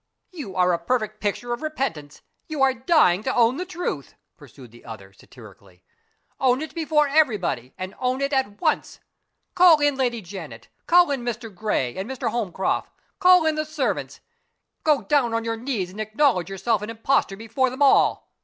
"You are a perfect picture of repentance you are dying to own the truth," pursued the other, satirically. "Own it before everybody, and own it at once. Call in Lady Janet call in Mr. Gray and Mr. Holmcroft call in the servants. Go down on your knees and acknowledge yourself an impostor before them all.